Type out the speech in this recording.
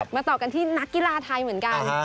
ต่อกันที่นักกีฬาไทยเหมือนกัน